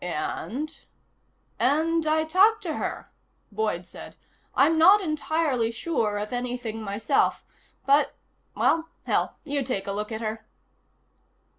"And?" "And I talked to her," Boyd said. "I'm not entirely sure of anything myself. But well, hell. You take a look at her."